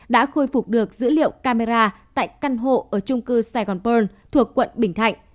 đã khôi phục được dữ liệu camera tại căn hộ ở trung cư saigon pearl thuộc quận bình thạnh